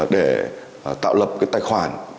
để tạo lập cái tài khoản